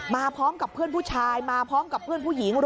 มาพร้อมกับเพื่อนผู้ชายมาพร้อมกับเพื่อนผู้หญิง